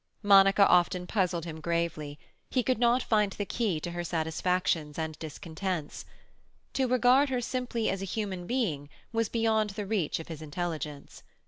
Monica often puzzled him gravely; he could not find the key to her satisfactions and discontents. To regard her simply as a human being was beyond the reach of his intelligence.